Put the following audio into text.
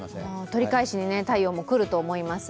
取り返しに、太陽も来ると思います。